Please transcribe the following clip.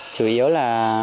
chủ yếu là